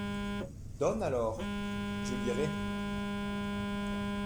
Donne, alors ! je lirai.